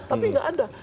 tapi nggak ada